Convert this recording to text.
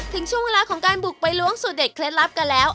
ถึงช่วงเวลาของการบุกไปล้วงสูตรเด็ดเคล็ดลับกันแล้ว